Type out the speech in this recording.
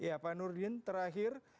ya pak nurdin terakhir